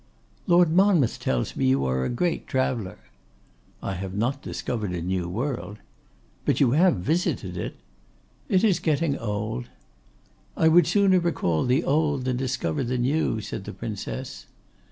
'Lord Monmouth tells me you are a great traveller?' 'I have not discovered a new world.' 'But you have visited it?' 'It is getting old.' 'I would sooner recall the old than discover the new,' said the Princess.